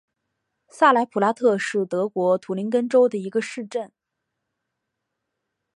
萨莱普拉特是德国图林根州的一个市镇。